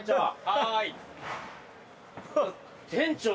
・はい！